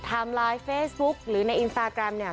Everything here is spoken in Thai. ไลน์เฟซบุ๊กหรือในอินสตาแกรมเนี่ย